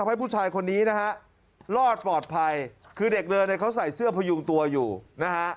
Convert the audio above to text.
ให้ผู้ชายคนนี้นะฮะรอดปลอดภัยคือเด็กเดินเนี่ยเขาใส่เสื้อพยุงตัวอยู่นะฮะ